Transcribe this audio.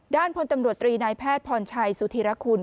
พลตำรวจตรีนายแพทย์พรชัยสุธีรคุณ